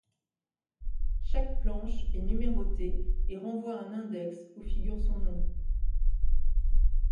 Chaque planche est numérotée et renvoie à un index où figure son nom.